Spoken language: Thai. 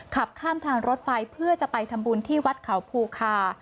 ขับข้ามทางรถไฟเพื่อจะไปทำบุญที่วัดเขาภูคา